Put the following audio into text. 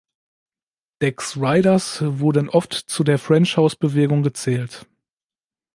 Dax Riders wurden oft zu der French House-Bewegung gezählt.